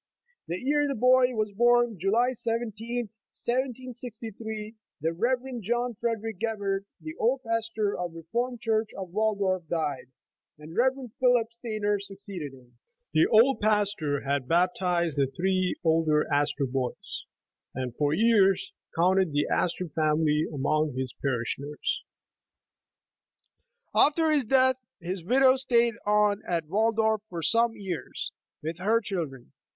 The year the boy was born, July 17th, 1763, the Rev. John Frederick Gebhard, the old pastor of the Re formed Church of Waldorf, died, and the Rev. Philip Steiner succeeded him. The old pastor had baptised the three older Astor boys, and for years counted th^ Astor family among his parishioners. After his death, his widow stayed on at Waldorf for some years, with her children.